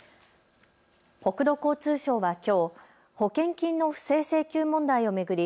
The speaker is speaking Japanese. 国土交通省はきょう保険金の不正請求問題を巡り